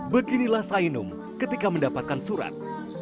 beginilah sainum ketika mendapatkan surat